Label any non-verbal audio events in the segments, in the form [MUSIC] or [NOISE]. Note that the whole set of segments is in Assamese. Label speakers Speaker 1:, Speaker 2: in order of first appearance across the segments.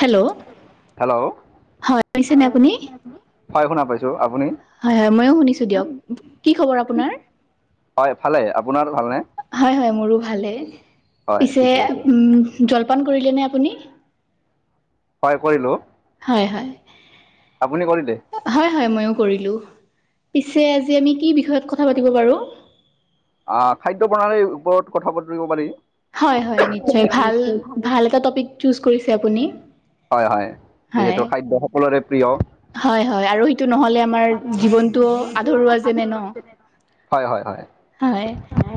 Speaker 1: হেল্ল'
Speaker 2: হেল্ল'
Speaker 1: হয় শুনিছেনে আপুনি,
Speaker 2: হয় শুনা পাইছো আপুনি
Speaker 1: হয় হয় ময়ো শুনিছো দিয়ক কি খবৰ আপোনাৰ?
Speaker 2: হয় ভালে আপোনাৰ ভালনে
Speaker 1: হয় হয় মোৰো ভালে
Speaker 2: হয়
Speaker 1: পিছে
Speaker 2: ঠিকে আছে
Speaker 1: উম জলপান কৰিলেনে আপুনি
Speaker 2: হয় কৰিলোঁ।
Speaker 1: হয়, হয়।
Speaker 2: আপুনি কৰিলে?
Speaker 1: হয়, হয়! মইয়ো কৰিলোঁ। পিছে আজি, আমি কি বিষয়ত কথা পাতিব পাৰোঁ?
Speaker 2: অহ খাদ্য প্ৰণালীৰ ওপৰত কথা পতিব পাৰি
Speaker 1: হয় হয় নিশ্চয় ভাল, ভাল এটা টপিক চোচ কৰিছে আপুনি
Speaker 2: হয় হয়
Speaker 1: হয়
Speaker 2: যিহেতু খাদ্য সকলোৰে প্ৰিয়
Speaker 1: হয়, হয়। আৰু সেইটো নহ'লে, আমাৰ জীৱনতটো আধৰুৱা যেনে ন'!
Speaker 2: হয়, হয়, হয়।
Speaker 1: হয়
Speaker 2: মানে,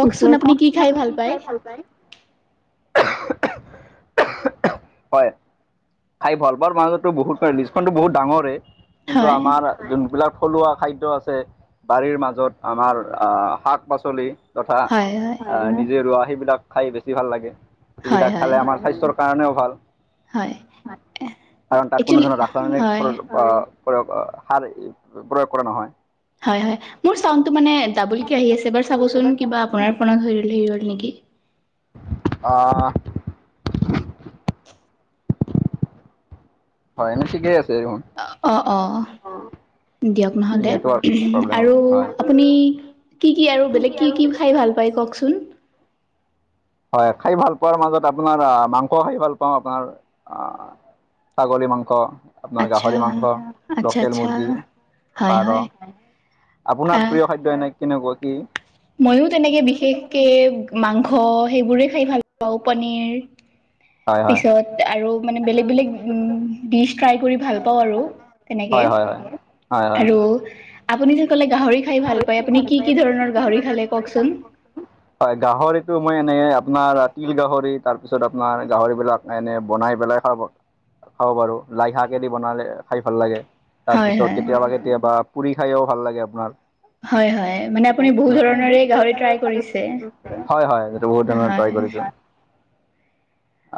Speaker 2: পিছে কওঁকচোন! আপুনি কি খাই ভাল পায়? হয়! খাই ভাল পোৱাৰ মাজতো বহুত লিষ্টখনতো বহুত ডাঙৰেই। কিন্তু,
Speaker 1: হয়
Speaker 2: আমাৰ যোনবিলাক থলুৱা খাদ্য আছে, বাৰীৰ মাজত আমাৰ শাক -পাচলি। তথা,
Speaker 1: হয় হয়
Speaker 2: নিজে ৰোৱা সেইবিলাক, খাই বেছি ভাল লাগে!
Speaker 1: হয়
Speaker 2: সেইবিলাক
Speaker 1: হয়
Speaker 2: খালে, আমাৰ স্বাস্থ্যৰ কাৰণেও ভাল।
Speaker 1: হয়!
Speaker 2: কাৰণ, তাত কোনো
Speaker 1: একচুৱেলি
Speaker 2: ধৰণৰ ৰাসায়নিক
Speaker 1: হয়
Speaker 2: প্ৰ প্ৰয়োগ, সাৰ প্ৰয়োগ কৰে নহয়।
Speaker 1: হয়, হয়। মোৰ চাউণ্ডটো মানে, ডাবোলকে আহি আছে, এবাৰ চাবচোন? কিবা আপোনাৰ ফোনত হৈ, হেৰি হ'ল নেকি।
Speaker 2: অ'! হয়, ঠিকেই আছে দেখোন।
Speaker 1: অ' অ'! দিয়ক নহ'লে।
Speaker 2: নেটৱৰ্ক প্ৰব্লেম
Speaker 1: আৰু
Speaker 2: হ'ব হয়
Speaker 1: আপুনি? কি কি আৰু বেলেগ কি কি খাই ভাল পায় কওঁকচোন?
Speaker 2: হয়, খাই ভাল পোৱাৰ মাজত, আপোনাৰ মাংস খাই ভাল পাওঁ। আপোনাৰ আঁ ছাগলী মাংস। আপোনাৰ,
Speaker 1: আচ্ছা
Speaker 2: গাহৰি মাংস,
Speaker 1: আচ্ছা
Speaker 2: লোকেল
Speaker 1: আচ্ছা
Speaker 2: মুৰ্গী,
Speaker 1: হয়
Speaker 2: পাৰ।
Speaker 1: হয়
Speaker 2: আপোনাৰ প্ৰিয় খাদ্য, এনে কেনেকুৱা কি?
Speaker 1: মইও তেনেকে, বিশেষকে মাংস, সেইবোৰে খাই ভাল পাওঁ, পানীৰ।
Speaker 2: হয় হয়
Speaker 1: পিছত আৰু মানে, বেলেগ -বেলেগ উম! ডিচ ট্ৰাই কৰি ভাল পাওঁ আৰু।
Speaker 2: হয়,
Speaker 1: তেনেকে
Speaker 2: হয়, হয়। হয় হয়
Speaker 1: আৰু আপুনি যে ক'লে, গাহৰি খাই ভাল পায়! আপুনি কি কি ধৰণৰ গাহৰি খালে কওঁকচোন?
Speaker 2: হয়, গাহৰিটো মই, এনে আপোনাৰ তিল গাহৰি, তাৰপিছত আপোনাৰ গাহৰিবিলাক এনেই বনাই পেলাই খাব, খাব পাৰোঁ। লাই শাকেদি বনালে, খাই ভাল লাগে।
Speaker 1: হয়
Speaker 2: তাৰপিছত,
Speaker 1: হয়
Speaker 2: কেতিয়াবা -কেতিয়াবা পুৰি খায়ও ভাল লাগে, আপোনাৰ।
Speaker 1: হয়, হয়। মানে, আপুনি বহু ধৰণৰে গাহৰি ট্ৰাই কৰিছে?
Speaker 2: হয়, হয়। সেইটো বহুত ধৰণৰ
Speaker 1: হয়
Speaker 2: ট্ৰাই কৰিছোঁ।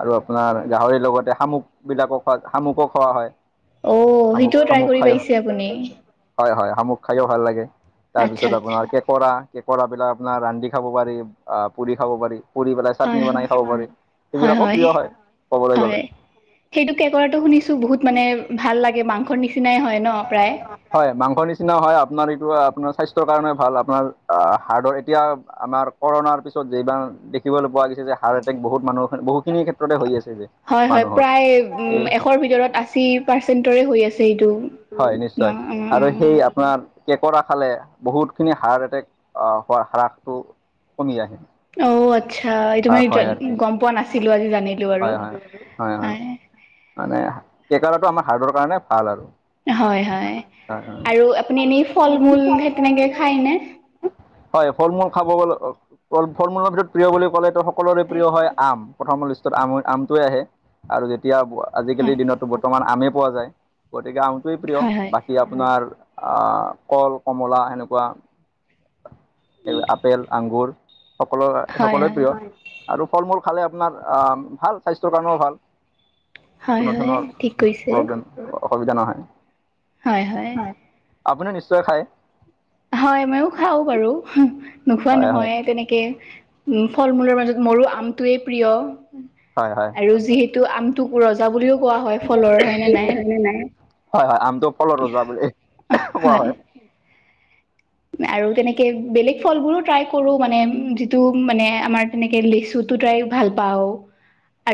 Speaker 2: আৰু আপোনাৰ, গাহৰিৰ লগতে শামুক বিলাকো খোৱা, শামুকো খোৱা হয়।
Speaker 1: অ'!
Speaker 2: শামুক
Speaker 1: সেইটোও ট্ৰাই
Speaker 2: শামুক
Speaker 1: কৰি
Speaker 2: খায়ো
Speaker 1: পাইছে আপুনি?
Speaker 2: হয়, হয়। শামুক খাইয়ো ভাল লাগে।
Speaker 1: আচ্ছা
Speaker 2: তাৰপিছত
Speaker 1: আচ্ছা।
Speaker 2: আপোনাৰ, কেঁক কেঁকোৰা, কেঁকোৰাবিলাক আপোনাৰ, ৰান্ধি খাব পাৰি, পুৰি খাব পাৰি। পুৰি পেলাই
Speaker 1: হয়
Speaker 2: চাটনি বনাই
Speaker 1: হয়
Speaker 2: খাব পাৰি। সেইবিলাকো প্ৰিয় হয়, ক'বলৈ গ'লে।
Speaker 1: হয়। সেইটো কেঁকোৰাটো শুনিছোঁ! বহুত মানে, ভাল লাগে, মাংসৰ নিচিনাই হয়।
Speaker 2: ন' হয় ন'? হয়, মাংস নিচিনা হয়। আপোনাৰ এইটো, আপোনাৰ স্বাস্থ্যৰ কাৰণে ভাল। আপোনাৰ হাৰ্টৰ এতিয়া, আমাৰ কৰুণাৰ পিছত, যিমান দেখিবলৈ পোৱা গৈছে যে! হাৰ্ট এটেক বহুত মানুহ, বহুখিনি ক্ষেত্ৰতে হৈ আছে যে।
Speaker 1: হয়, হয়।
Speaker 2: মানুহৰ
Speaker 1: প্ৰায়, উম!
Speaker 2: এই
Speaker 1: এশৰ ভিতৰত, আশী পাৰ্চেন্টৰে হৈ আছে। এইটো।
Speaker 2: হয়,
Speaker 1: ন
Speaker 2: নিশ্চয়! আৰু সেই
Speaker 1: অ'
Speaker 2: আপোনাৰ, কেঁকোৰা খালে, বহুতখিনি হাৰ্ট এটেক, হোৱাৰ হ্ৰাসটো কমি আহে।
Speaker 1: অ'! আচ্ছা। এইটো মানে
Speaker 2: হ্ৰাস হয় আৰু কি
Speaker 1: গম পোৱা নাছিলোঁ, আজি জানিলোঁ আৰু।
Speaker 2: হয় হয় হয় হয় মানে, কেঁকোৰাটো আমাৰ হাৰ্টৰ কাৰণে ভাল আৰু।
Speaker 1: হয়, হয়। আৰু আপুনি এনেই ফল-মূল, সেই তেনেকে খায় নে?
Speaker 2: হয়! ফল-মূল খাব ক'লে, ফল- মূলৰ ভিতৰত, প্ৰিয় বুলি ক'লেতো, সকলোৰে প্ৰিয় হয়, আম। প্ৰথম লিষ্টত আম আমটোৱে আহে আৰু যেতিয়া
Speaker 1: হয়,
Speaker 2: আজিকালিৰ দিনতো বৰ্তমান আমেই পোৱা যায়। গতিকে আমটোৱেই প্ৰিয়
Speaker 1: হয়,
Speaker 2: বাকী আপোনাৰ কল কমলা সেনেকুৱা। এই আপেল আঙুৰ সকলো
Speaker 1: হয়,
Speaker 2: সকলোৱে
Speaker 1: হয়,
Speaker 2: প্ৰিয়। আৰু ফল-মূল খালে, আপোনাৰ আঁ ভাল। স্বাস্থ্যৰ কাৰণেও ভাল!
Speaker 1: হয়,
Speaker 2: কোনো
Speaker 1: হয়,
Speaker 2: ধৰণৰ
Speaker 1: ঠিক কৈছে।
Speaker 2: প্ৰব্লেম, অসুবিধা নহয়।
Speaker 1: হয়, হয়।
Speaker 2: আপুনি নিশ্চয় খায়।
Speaker 1: হয় মইও খাও বাৰু নোখোৱা
Speaker 2: হয় হয়
Speaker 1: নহয় তেনেকে। ফল মূলৰ মাজত মোৰো আমটোৱেই প্ৰিয়।
Speaker 2: হয় হয়।
Speaker 1: আৰু যিহেতু আমটোক ৰজা বুলিও কোৱা হয় ফলৰ হয় নে নাই।
Speaker 2: হয় হয় আমটো ফলৰ ৰজা বুলি কোৱা হয়।
Speaker 1: আৰু তেনেকে বেলেগ ফলবোৰো ট্ৰাই কৰো মানে যিটো মানে আমাৰ। এনেকে লেচুতো তাই ভাল পাও।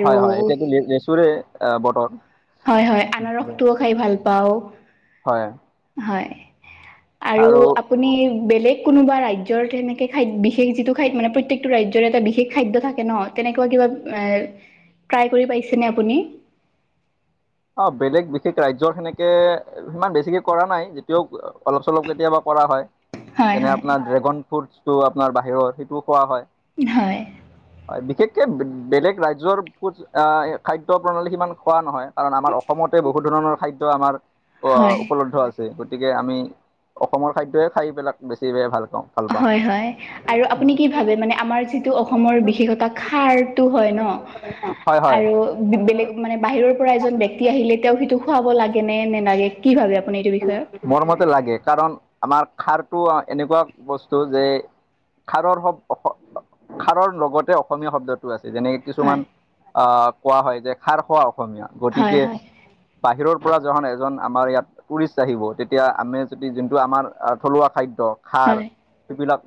Speaker 2: হয় হয় এতিয়াতো লেচুৰে বতৰ।
Speaker 1: হয় হয় আনাৰসটোও খাই ভাল পাওঁ,
Speaker 2: হয়।
Speaker 1: হয় আৰু আপুনি বেলেগ কোনোবা ৰাজ্যৰ তেনেকৈ খাই বিশেষ যিটো খাই মানে প্ৰত্যেকটো ৰাজ্যৰ এটা বিশেষ খাদ্য থাকে ন। তেনেকুৱা কিবা এ ট্ৰাই কৰি পাইছেনে আপুনি।
Speaker 2: অ বেলেগ বিশেষ ৰাজ্যৰ সেনেকে। সিমান বেছিকে কৰা নাই যেতিয়াও অলপ চলপ কেতিয়াবা কৰা হয়।
Speaker 1: হয়
Speaker 2: তেনে
Speaker 1: হয়
Speaker 2: আপোনাৰ ড্ৰেগন ফ্ৰুটটো আপোনাৰ বাহিৰত সেইটোও খোৱা হয়।
Speaker 1: হয়।
Speaker 2: হয় বিশেষকে বেলেগ ৰাজ্যৰ ফুড খাদ্য প্ৰণালী সিমান খোৱা নহয়। কাৰণ আমাৰ অসমতে বহুত ধৰণৰ খাদ্য আমাৰ
Speaker 1: হয়
Speaker 2: উপলব্ধ আছে। গতিকে আমি অসমৰ খাদ্যই খাই বিলাক বেছি ভাল পাওঁ। ভাল পাওঁ।
Speaker 1: হয়, হয় আৰু
Speaker 2: উম।
Speaker 1: আপুনি কি ভাবে মানে আমাৰ যিটো অসমৰ বিশেষতা খাৰটো হয় ন।
Speaker 2: হয় হয়
Speaker 1: আৰু বেলেগ মানে বাহিৰৰ পৰা এজন ব্যক্তি আহিলে তেওঁ সিটো খুৱাব লাগে নে নেলাগে কি ভাবে আপুনি এইটো বিষয়ত।
Speaker 2: মৰমতে লাগে কাৰণ আমাৰ খাৰটো এনেকুৱা বস্তু যে। খাৰৰ শব্দ খাৰৰ লগতে অসমীয়া শব্দটো আছে যেনেকে কিছুমান
Speaker 1: হয়
Speaker 2: আহ কোৱা হয় যে খাৰ খোৱা অসমীয়া
Speaker 1: হয়
Speaker 2: গতিকে,
Speaker 1: হয়
Speaker 2: বাহিৰৰ পৰা যখন এজন আমাৰ ইয়াত। টুৰিষ্ট আহিব তেতিয়া আমি যদি যোনটো আমাৰ থলুৱা খাদ্য খাৰ।
Speaker 1: হয়
Speaker 2: যিবিলাক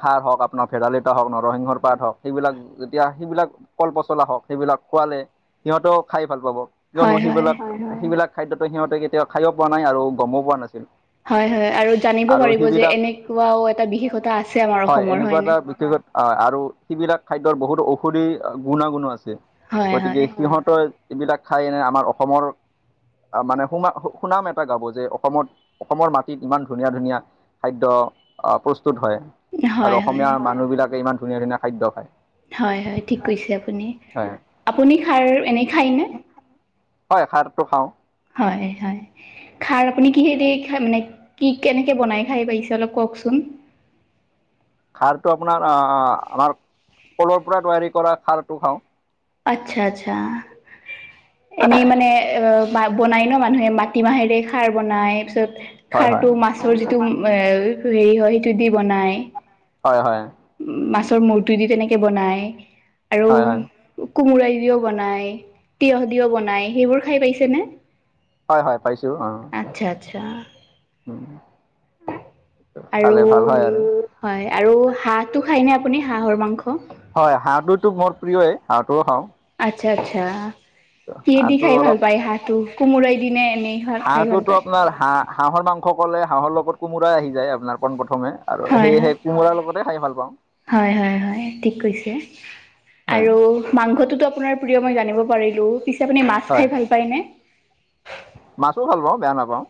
Speaker 2: খাৰ হওক আপোনাৰ ভেদাইলতা হওক নৰসিংহৰ পাত হওক সেইবিলাক যেতিয়া সেইবিলাক, কল পচলা হওক সেইবিলাক খোৱালে, সিহঁতেও খাই ভাল পাব। কিয়নো সেইবিলাক হয়, হয়, সেইবিলাক খাদ্যটো সিহঁতে কেতিয়াও খায়ো পোৱা নাই আৰু গমো পোৱা নাছিল।
Speaker 1: হয়, হয়। আৰু জানিব
Speaker 2: আৰু
Speaker 1: পাৰিব যে
Speaker 2: সিবিলাক
Speaker 1: এনেকুৱাও এটা বিশেষতা আছে আমাৰ অসমৰ হয় নে।
Speaker 2: অ', আৰু সেইবিলাক খাদ্যৰ বহুতো ঔষধি গুণাগুণো আছে।
Speaker 1: হয়
Speaker 2: গতিকে
Speaker 1: হয়
Speaker 2: সিহঁতৰ এইবিলাক খাই এনে আমাৰ অসমৰ মানে সোমা সুনাম এটা গাব যে অসমত অসমৰ মাটিত ইমান ধুনীয়া ধুনীয়া খাদ্য অ, প্ৰস্তুত হয়
Speaker 1: হয়
Speaker 2: আৰু অসমীয়া
Speaker 1: হয়
Speaker 2: মানুহবিলাকে ইমান ধুনীয়া-ধুনীয়া খাদ্য খায়।
Speaker 1: হয়, হয় ঠিক কৈছে আপুনি।
Speaker 2: হয়
Speaker 1: আপুনি খাৰ এনেই খায়নে?
Speaker 2: হয় খাৰটো খাওঁ।
Speaker 1: হয়, হয়। খাৰ আপুনি কিহেদি খাই মানে কি কেনেকে বনাই খাই পাইছে অলপ কওঁকচোন?
Speaker 2: খাৰটো আপোনাৰ অ, আমাৰ কলৰ পৰা তৈয়াৰী কৰা খাৰটো খাওঁ।
Speaker 1: আচ্ছা-আচ্ছা এনেই মানে অ, বনাই ন মানুহে ম মাতিমাহেৰে খাৰ বনাই পিছত
Speaker 2: হয় হয়
Speaker 1: খাৰটো মাছৰ যিটো মই হেৰি হয় সেইটো দি বনায়।
Speaker 2: হয়-হয়।
Speaker 1: মাছৰ মূৰ্তি দি তেনেকে বনাই আৰু
Speaker 2: হয় হয়
Speaker 1: কোমোৰা দিও বনাই, তিয়হ দিও বনাই, সেইবোৰ খাই পাইছেনে?
Speaker 2: হয়, হয় পাইছোঁ অ।
Speaker 1: আচ্ছা-আচ্ছা।
Speaker 2: উম,
Speaker 1: আৰু
Speaker 2: খালে ভাল আৰু।
Speaker 1: হয়, আৰু হাঁহটো খাইনে আপুনি হাঁহৰ মাংস?
Speaker 2: হয় হাঁহডটোতটো মোৰ প্ৰিয়ই হাঁহটোও খাও।
Speaker 1: আচ্ছা-আচ্ছা কিয়েদি
Speaker 2: হাঁহটো
Speaker 1: খাই ভাল
Speaker 2: অলপ
Speaker 1: পায় হাঁহটো, কোমোৰাই দি নে এনেই? খাই ভাল
Speaker 2: হাঁহটোতো
Speaker 1: পায়?
Speaker 2: আপোনাৰ হাঁহ-হাঁহৰ মাংস ক'লে হাঁহৰ লগত কোমোৰাই আহি যায় আপোনাৰ পণ প্ৰথমে। আৰু সেয়েহে কোমোৰাৰ লগতে খাই ভাল পাও।
Speaker 1: হয়-হয়-হয়, ঠিক কৈছে।
Speaker 2: হয়
Speaker 1: আৰু মাংসটো আপোনাৰ প্ৰিয় মই জানিব পাৰিলো, পিছে আপুনি মাছ
Speaker 2: হয়
Speaker 1: খাই ভাল পায় নে?
Speaker 2: মাছো ভাল পাও বেয়া নাপাও।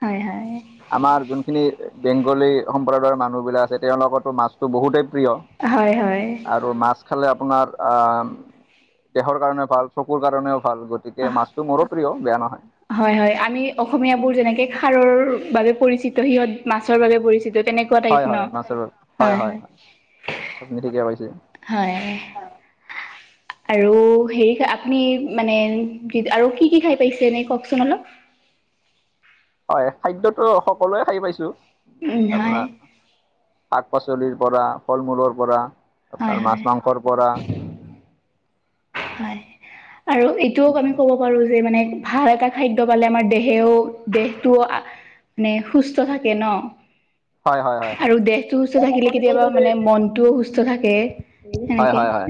Speaker 1: হয়-হয়।
Speaker 2: আমাৰ যোনখিনি বেংগলী সম্প্ৰদায়ৰ মানুহবিলাক আছে তেওঁলোকতো মাছটো বহুতেই প্ৰিয়।
Speaker 1: হয়-হয়।
Speaker 2: আৰু মাছ খালে আপোনাৰ দেহৰ কাৰণেও ভাল, চকুৰ কাৰণেও ভাল, গোটেই গতিকে মাছতো মোৰো প্ৰিয় বেয়া নহয়।
Speaker 1: হয়-হয় আমি অসমীয় বোৰ যেনেকে খাৰৰ বাবে পৰিচিত সিহঁত মাছৰ বাবে পৰিচিত তেনেকে
Speaker 2: হয়
Speaker 1: টাইপ ন
Speaker 2: হয় মাছৰ হয় হয়
Speaker 1: হয়-হয়।
Speaker 2: হয় আপুনি ঠিকে কৈছে।
Speaker 1: হয়। আৰু হেৰি আপুনি মানে য আৰু কি-কি খাই পাইছে এনেই কওকচোন অলপ?
Speaker 2: হয় খাদ্যটো সকলোৱে খাই পাইছো
Speaker 1: উম হয়
Speaker 2: আপোনাৰ। শাক পাচলিৰ পৰা ফল মূলৰ পৰা
Speaker 1: হয়
Speaker 2: আপোনাৰ মাছ
Speaker 1: হয়
Speaker 2: মাংসৰ পৰা
Speaker 1: হয় আৰু এইটোও আমি ক'ব পাৰো যে মানে ভাল এটা খাদ্য পালে আমাৰ দেহেও - দেহটোও মানে সুস্থ থাকে ন?
Speaker 2: হয় হয় হয়
Speaker 1: আৰু দেহটো সুস্থ থাকিলে কেতিয়াবা মানে মনটোও সুস্থ থাকে। সেনেকে
Speaker 2: হয়-হয়-হয়।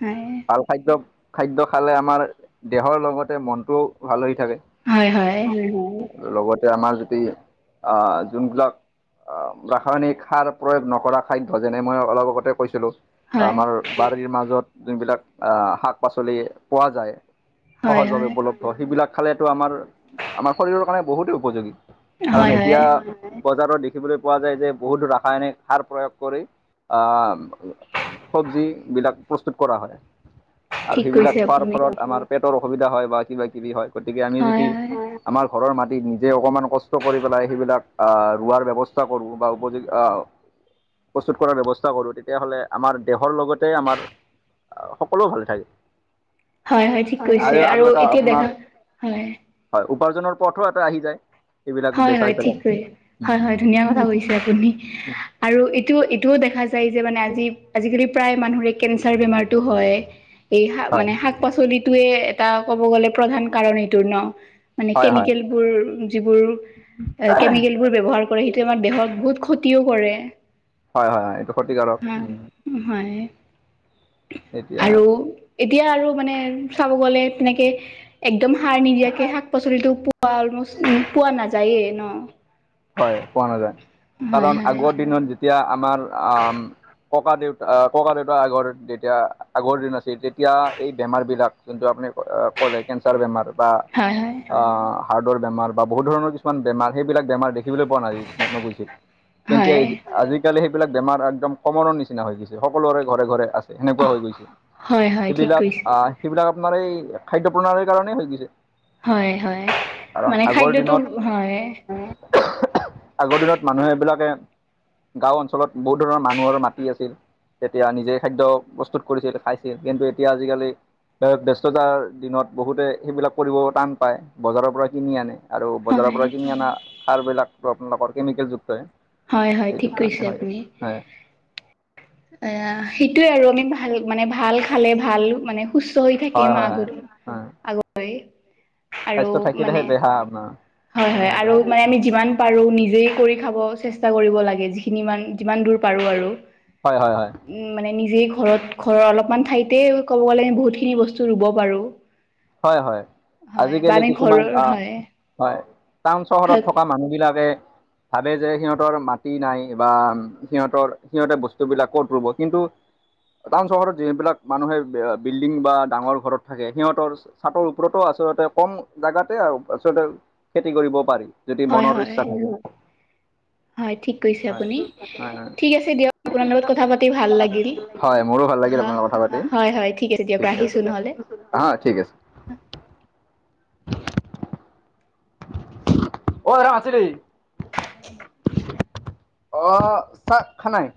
Speaker 1: হয়।
Speaker 2: খাদ্য-খাদ্য খালে আমাৰ দেহৰ লগতে মনটোও ভাল হৈ থাকে।
Speaker 1: হয় হয়
Speaker 2: লগতে আমাৰ যদি আহ যোনবিলাক ৰাসায়নিক সাৰ প্ৰয়োগ নকৰা খাদ্য যেনে মই অলপ আগতে কৈছিলো।
Speaker 1: হয়
Speaker 2: আমাৰ বাৰীৰ মাজত যোনবিলাক শাক পাচলি পোৱা যায়।
Speaker 1: হয়
Speaker 2: সহজভাৱে
Speaker 1: হয়
Speaker 2: উপলব্ধ সেইবিলাক খালেটো আমাৰ আমাৰ শৰীৰৰ কাৰণে বহুতেই উপযোগী। কাৰণ
Speaker 1: হয় হয়
Speaker 2: এতিয়া বজাৰৰ দিশ দেখিবলৈ পোৱা যায় যে বহুতো ৰাসায়নিক সাৰ প্ৰয়োগ কৰি চবজিবিলাক প্ৰস্তুত কৰা হয়। আৰু
Speaker 1: ঠিক
Speaker 2: সেইবিলাক
Speaker 1: কৈছে
Speaker 2: খোৱাৰ
Speaker 1: আপুনি
Speaker 2: ফলত আমাৰ পেটৰ অসুবিধা হয় বা কিবা কিবি হয় গতিকে আমি
Speaker 1: হয়
Speaker 2: যদি
Speaker 1: হয়
Speaker 2: আমাৰ ঘৰৰ মাটিত নিজে অকণমান কষ্ট কৰি পেলাই সেইবিলাক ৰোৱাৰ ব্যৱস্থা ব্যৱস্থা কৰো বা উপযোগী আহ প্ৰস্তুত কৰাৰ ব্যৱস্থা কৰো তেতিয়াহ'লে আমাৰ দেহৰ লগতে আমাৰ অ, সকলো ভালে থাকে।
Speaker 1: হয়-হয় ঠিক কৈছে আৰু এতিয়া দেখা হয়।
Speaker 2: হয় উপাৰ্জনৰ পথো এটা আহি যায় এইবিলাক
Speaker 1: হয় হয়
Speaker 2: বেচাই
Speaker 1: ঠিক
Speaker 2: পেলাই
Speaker 1: কৰি হয়
Speaker 2: উম,
Speaker 1: হয় ধুনীয়া কথা কৈছে আপুনি আৰু ইটো ইটোও দেখা যায় যে মানে আজি আজিকালি প্ৰায় মানুহৰে কেঞ্চাৰ বেমাৰতটো হয় এই
Speaker 2: হয়
Speaker 1: মানে শাক পাচলিটোয়ে এটা কব গ'লে প্ৰধান কাৰণ এইটোৰ ন। মানে
Speaker 2: হয় হয়
Speaker 1: কেমিকেল বোৰ যিবোৰ কেমিকেল বোৰ ব্যৱহাৰ কৰে সেইটো আমাৰ দেহত বহুত ক্ষতিও কৰে।
Speaker 2: হয়-হয় এইটো ক্ষতিকাৰক
Speaker 1: হয়
Speaker 2: উম,
Speaker 1: হয়
Speaker 2: এতিয়া
Speaker 1: আৰু এতিয়া আৰু মানে চাব গ'লে তেনেকে একদম সাৰ নিদিয়াকে শাক পাচলিটো পোৱা অলমষ্ট পোৱা নাযায়েই ন
Speaker 2: হয় পোৱা নাযায়
Speaker 1: হয়
Speaker 2: কাৰণ
Speaker 1: হয়
Speaker 2: আগৰ দিনত যেতিয়া আমাৰ আম- ককা দেউতা ককা দেউতাৰ আগৰ তেতিয়া আগৰ দিন আছিল তেতিয়া এই বেমাৰ বিলাক যোনটো আপুনি কলে কেঞ্চাৰ বেমাৰ বা
Speaker 1: হয় হয়।
Speaker 2: আহ হাৰ্টৰ বেমাৰ বা বহুত ধৰণ কিছুমান বেমাৰ সেইবিলাক বেমাৰ দে দেখিবলৈ পোৱা না নগৈছিল কিন্তে
Speaker 1: হয়
Speaker 2: আজি আজিকালি সেইবিলাক বেমাৰ একদম কমৰ নিচনা হৈ গৈছে সকলোৰে ঘৰে ঘৰে আছ- সেনেকুৱা হৈ গৈছে
Speaker 1: হয় হয় হয় ঠিক
Speaker 2: সেইবিলাক
Speaker 1: কৈছে
Speaker 2: আহ সেইবিলাক আপোনাৰ এই খাদ্য প্ৰণালীৰ কাৰণেই হৈ গৈছে।
Speaker 1: হয় হয়
Speaker 2: কাৰণ
Speaker 1: মানে
Speaker 2: আগৰ
Speaker 1: খাদ্যটো
Speaker 2: দিনত
Speaker 1: হয়।
Speaker 2: আগৰ দিনত মানুহে এইবিলাকে গাঁও অঞ্চলত বহুত ধৰণৰ মানুহৰ মাটি আছিল। তেতিয়া নিজে খাদ্য প্ৰস্তুত কৰিছিল খাইছিল কিন্তু এতিয়া আজিকালি ব্যস্ততাৰ দিনত বহুতে সেইবিলাক কৰিব টান পায়, বজাৰৰ পৰা কিনি আনে। আৰু বজাৰৰ
Speaker 1: হয়
Speaker 2: পৰা কিনি অনা সাৰবিলাক আপোনালোকৰ কেমিকেলযুক্তই
Speaker 1: হয় হয় ঠিক কৈছে আপুনি আহ সেইটোয়ে আৰু আমি ভা- ভাল মানে ভাল খালে ভাল মানে সুস্থ হৈ থাকিম
Speaker 2: হয় হয় হয়
Speaker 1: আগত
Speaker 2: হয়
Speaker 1: আগতকৈ
Speaker 2: স্বাস্থ্য থাকিলেহে বেহা আমাৰ
Speaker 1: হয় হয় আৰু মানে আমি যিমান পাৰোঁ নিজেই কৰি খাব চেষ্টা কৰিব লাগে যি খিনি মান যিমান দূৰ পাৰোঁ আৰু।
Speaker 2: হয় হয় হয়
Speaker 1: মানে নিজেই ঘৰত ঘৰৰ অলপমান ঠাইতেই ক'ব গ'লে বহুতখিনি বস্তু ৰুব পাৰোঁ।
Speaker 2: হয় হয়। আজিকালি
Speaker 1: আমি
Speaker 2: কিছুমান
Speaker 1: ঘৰৰ
Speaker 2: আহ
Speaker 1: হয়
Speaker 2: হয় টাউন চহৰত থকা মানুহ বিলাকে ভাবে যে সিহঁতৰ মাটি নাই বা সিহঁতৰ সিহঁতে বস্তুবিলাক কত ৰুব কিন্তু টাউন চহৰত যিবিলাক মানুহে বিল্ডিং বা ডাঙৰ ঘৰত থাকে। সিহঁতৰ চাটৰ ওপৰতো আচলতে কম জোগাতে আচলতে খেতি কৰিব পাৰি। যদি
Speaker 1: হয়
Speaker 2: মনৰ
Speaker 1: হয়
Speaker 2: ইচ্ছা থাকে
Speaker 1: হয় ঠিক কৈছে
Speaker 2: হয়
Speaker 1: আপুনি,
Speaker 2: হয় হয়
Speaker 1: ঠিক আছে দিয়ক আপোনাৰ লগত কথা পাতি ভাল লাগিল।
Speaker 2: হয় মোৰো ভাল লাগিল আপোনা লগত কথা পাতি,
Speaker 1: হয় হয় ঠিক আছে দিয়ক ৰাখিছোঁ নহ'লে
Speaker 2: হা ঠিক আছে। অ ৰাচিৰি [UNINTELLIGIBLE] অ চাহ খানাই?